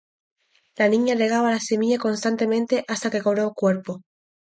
La niña regaba la semilla constantemente hasta que cobró cuerpo.